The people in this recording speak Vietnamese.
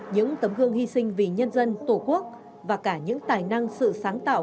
những tấm gương hy sinh vì nhân dân tổ quốc và cả những tài năng sự sáng tạo